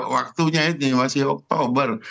waktunya ini masih oktober